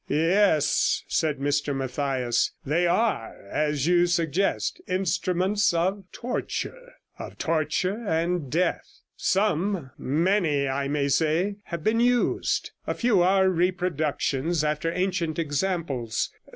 'Yes,' said Mr Mathias, 'they are, as you suggest, instruments of torture of torture and death. Some — many, I may say — have been used; a few are reproductions after ancient examples.